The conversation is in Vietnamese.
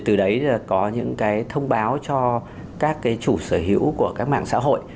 từ đấy có những thông báo cho các chủ sở hữu của các mạng xã hội